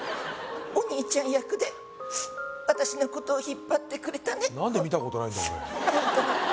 お兄ちゃん役で私のことを引っ張ってくれたね何で見たことないんだ俺